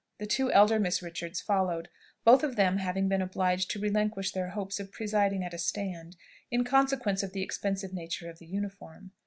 The two elder Miss Richards followed, both of them having been obliged to relinquish their hopes of presiding at a stand, in consequence of the expensive nature of the uniform.